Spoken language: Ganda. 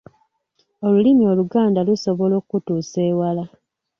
Olulimi Oluganda lusobola okutuusa ewala.